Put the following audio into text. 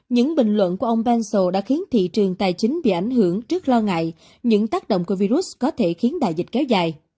những bình luận của ông pencio đã khiến thị trường tài chính bị ảnh hưởng trước lo ngại những tác động của virus có thể khiến đại dịch kéo dài